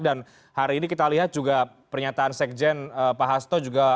dan hari ini kita lihat juga pernyataan sekjen pak hasto juga